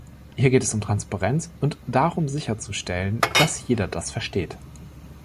Hier geht es um Transparenz und darum sicherzustellen, dass jeder das versteht.